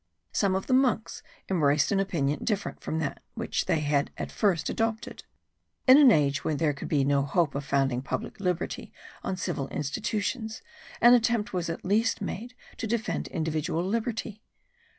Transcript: Some of the monks embraced an opinion different from that which they had at first adopted. In an age when there could be no hope of founding public liberty on civil institutions, an attempt was at least made to defend individual liberty.